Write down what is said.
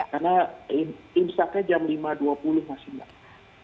karena instaknya jam lima dua puluh masih mbak